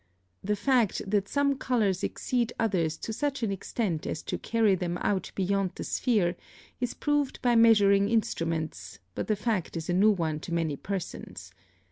The fact that some colors exceed others to such an extent as to carry them out beyond the sphere is proved by measuring instruments, but the fact is a new one to many persons.